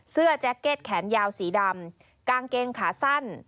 แจ็คเก็ตแขนยาวสีดำกางเกงขาสั้น